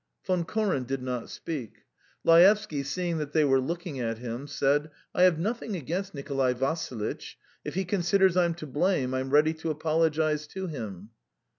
Von Koren did not speak. Laevsky, seeing that they were looking at him, said: "I have nothing against Nikolay Vassilitch; if he considers I'm to blame, I'm ready to apologise to him."